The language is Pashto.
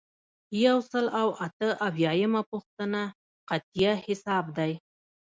یو سل او اته اویایمه پوښتنه قطعیه حساب دی.